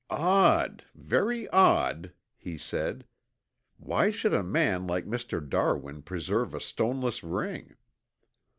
"Odd, very odd," he said. "Why should a man like Mr. Darwin preserve a stoneless ring?"